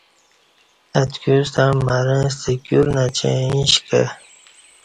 اتکیوستݩع مرں ستہ کیور نچیں ا ش کہ